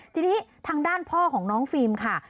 ทีนี้ทางด้านพ่อของน้องฟิล์มค่ะ